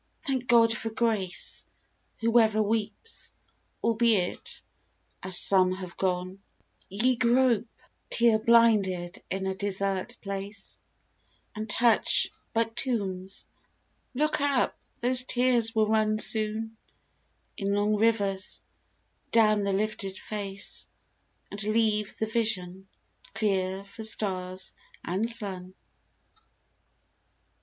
Thank God for grace, Whoever weeps : albeit, as sQme have done, H FROM QUEENS' GARDENS. Ye grope, tear blinded, in a desert place, And touch but tombs, —look up ! Those tears will run Soon, in long rivers, down the lifted face, And leave the vision clear for stars and sun.